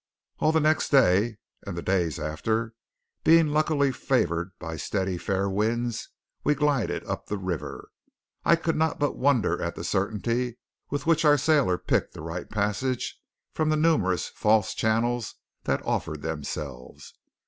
All next day, and the days after, being luckily favoured by steady fair winds, we glided up the river. I could not but wonder at the certainty with which our sailor picked the right passage from the numerous false channels that offered themselves.